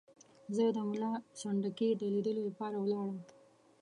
زه د ملا سنډکي د لیدلو لپاره ولاړم.